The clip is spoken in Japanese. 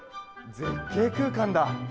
絶景空間だ。